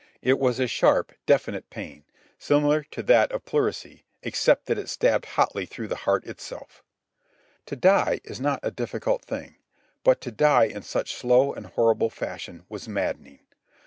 It was a sharp, definite pain, similar to that of pleurisy, except that it stabbed hotly through the heart itself. To die is not a difficult thing, but to die in such slow and horrible fashion was maddening.